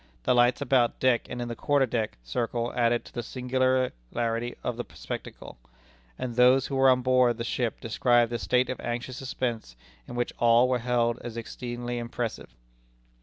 The lights about deck and in the quarter deck circle added to the singularity of the spectacle; and those who were on board the ship describe the state of anxious suspense in which all were held as exceedingly impressive."